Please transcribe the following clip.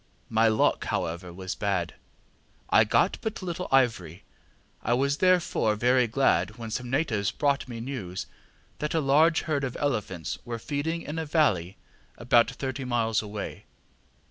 My luck, however, was bad; I got but little ivory. I was therefore very glad when some natives brought me news that a large herd of elephants were feeding in a valley about thirty miles away.